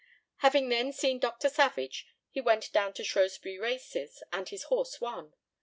Having then seen Dr. Savage, he went down to Shrewsbury Races, and his horse won.